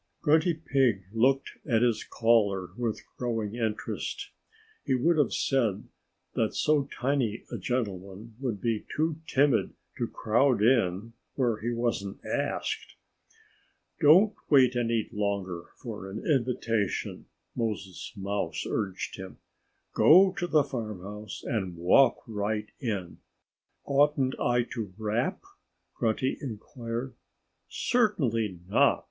Grunty Pig looked at his caller with growing interest. He would have said that so tiny a gentleman would be too timid to crowd in where he wasn't asked. "Don't wait any longer for an invitation," Moses Mouse urged him. "Go to the farmhouse and walk right in." "Oughtn't I to rap?" Grunty inquired. "Certainly not!"